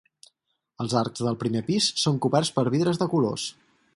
Els arcs del primer pis són coberts per vidres de colors.